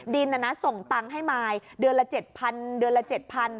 ดินส่งตังค์ให้มายเดือนละ๗๐๐๐